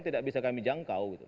tidak bisa kami jangkau